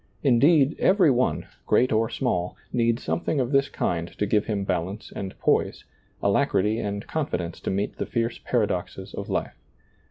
Indeed, every one, great or small, needs something of this kind to give him balance and poise, alacrity and confidence to meet the fierce paradoxes of life.